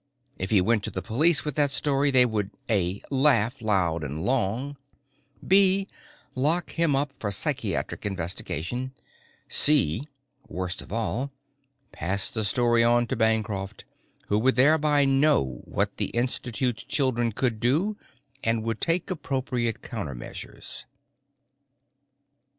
If he went to the police with that story they would (a) laugh, long and loud (b) lock him up for psychiatric investigation (c) worst of all, pass the story on to Bancroft, who would thereby know what the Institute's children could do and would take appropriate counter measures.